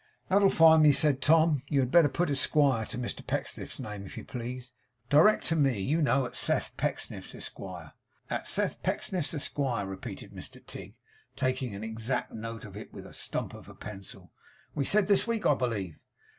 'That'll find me,' said Tom. 'You had better put Esquire to Mr Pecksniff's name, if you please. Direct to me, you know, at Seth Pecksniff's, Esquire.' 'At Seth Pecksniff's, Esquire,' repeated Mr Tigg, taking an exact note of it with a stump of pencil. 'We said this week, I believe?